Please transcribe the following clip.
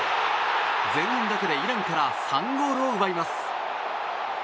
前半だけでイランから３ゴールを奪います。